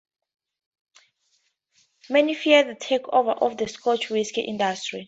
Many fear the take-over of the Scotch whisky industry.